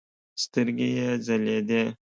سترګې يې ځلېدې.